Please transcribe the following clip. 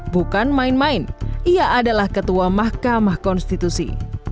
bukan main main ia adalah ketua mahkamah konstitusi